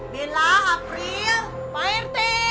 bella april pak rt